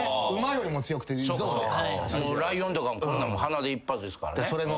ライオンとかも鼻で一発ですからね。